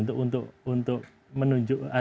untuk menunjuk atau untuk memastikan